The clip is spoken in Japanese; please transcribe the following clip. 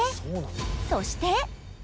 そして！